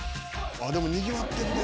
「でもにぎわってるね」